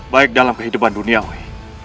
baik dalam kehidupan duniawi